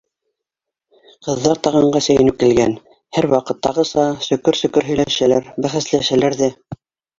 Ҡыҙҙар тағанға сәйнүк элгән. һәр ваҡыттағыса сөкөр-сөкөр һөйләшәләр, бәхәсләшәләр ҙә: